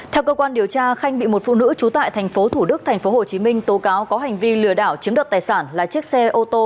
theo cơ quan điều tra khanh bị một phụ nữ trú tại tp thủ đức tp hcm tố cáo có hành vi lừa đảo chiếm đoạt tài sản là chiếc xe ô tô